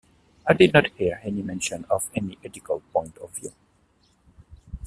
I did not hear any mention of any ethical point of view.